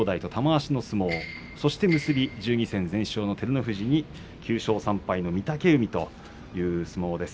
結び、１２戦全勝の照ノ富士に９勝３敗の御嶽海という相撲です。